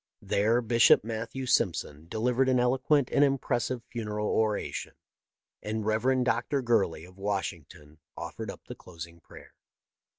There Bishop Matthew Simpson delivered an eloquent and impressive funeral oration, and Rev. Dr. Gurley, of Washing ton, offered up the closing prayer.